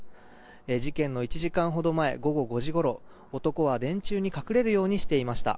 事件の１時間ほど前午後５時ごろ男は電柱に隠れるようにしていました。